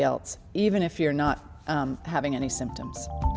meskipun tidak memiliki simptom